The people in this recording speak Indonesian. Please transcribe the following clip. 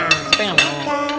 supnya gak banyak